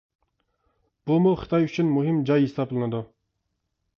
بۇمۇ خىتاي ئۈچۈن مۇھىم جاي ھېسابلىنىدۇ.